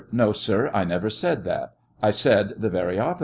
No, sir, I never said that ; 1 said the very oppo site.